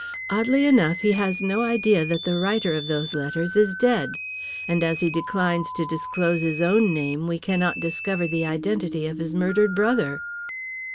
Oddly enough, he has no idea that the writer of those letters is dead. And as he declines to disclose his own name, we cannot discover the identity of his murdered brother."